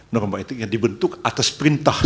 norma etik yang dibentuk atas perintah